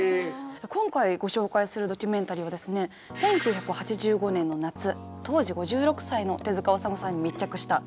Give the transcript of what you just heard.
今回ご紹介するドキュメンタリーはですね１９８５年の夏当時５６歳の手治虫さんに密着した映像になってます。